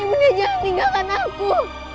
ibu nda jangan tinggalkan aku